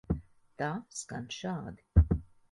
Tā skan šādi.